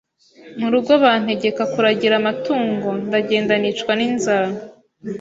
mu rugo bantegeka kuragira amatungo ndagenda nicwa n’inzara